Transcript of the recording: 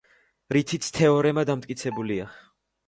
რითიც თეორემა დამტკიცებულია.